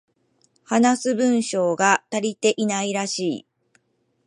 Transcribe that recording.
話す文章が足りていないらしい